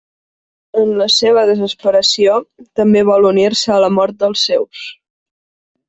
En la seva desesperació, també vol unir-se a la mort dels seus.